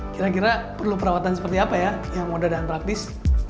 kira kira perlu perawatan seperti apa ya yang mudah dan praktis